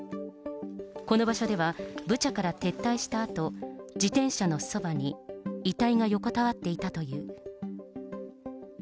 この場所では、ブチャから撤退したあと、自転車のそばに、遺体が横たわっていたという。